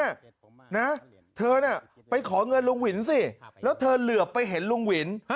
นะเธอน่ะไปขอเงินลุงหวินสิแล้วเธอเหลือไปเห็นลุงหวิน